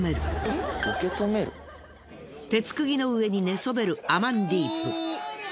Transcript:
鉄釘の上に寝そべるアマンディープ。